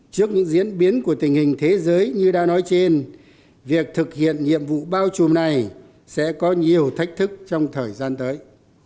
trước những diễn biến của tình hình thế giới như đã nói trên việc thực hiện nhiệm vụ bao trùm này sẽ có nhiều thách thức trong thời gian tới